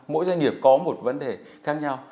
mỗi doanh nghiệp có một vấn đề khác nhau